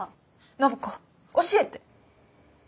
暢子教えて！